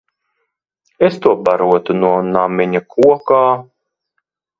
Es to barotu no namiņa kokā.